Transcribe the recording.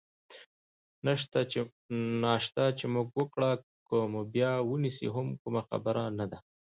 ناشته چې مو وکړه، که مو بیا ونیسي هم کومه خبره نه ده.